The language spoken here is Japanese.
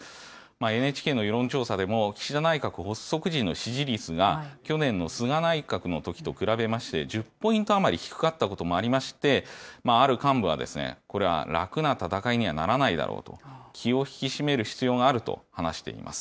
ＮＨＫの世論調査でも、岸田内閣発足時の支持率が、去年の菅内閣のときと比べまして１０ポイント余り低かったこともありまして、ある幹部は、これは楽な戦いにはならないだろうと、気を引き締める必要があると話しています。